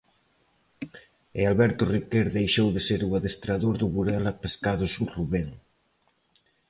E Alberto Riquer deixou de ser o adestrador do Burela Pescados Rubén.